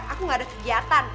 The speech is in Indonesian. aku gak ada kegiatan